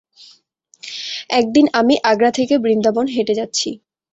একদিন আমি আগ্রা থেকে বৃন্দাবন হেঁটে যাচ্ছি।